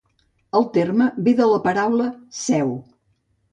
El terme ve de la paraula sèu.